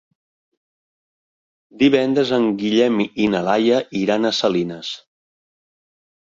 Divendres en Guillem i na Laia iran a Salines.